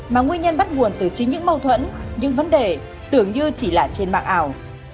mà nguyên nhân bắt nguồn từ chính những mâu thuẫn những vấn đề tưởng như chỉ là trên mạng ảo